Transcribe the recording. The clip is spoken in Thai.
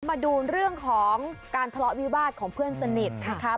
มาดูเรื่องของการทะเลาะวิวาสของเพื่อนสนิทนะคะ